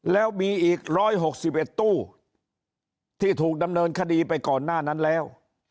แล้วมีอีกร้อยหกสิบเอ็ดตู้ที่ถูกดำเนินคดีไปก่อนหน้านั้นแล้ว